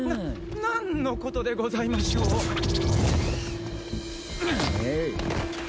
なんのことでございましょう？えい！